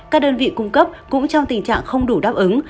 các đơn vị cung cấp cũng trong tình trạng không đủ đáp ứng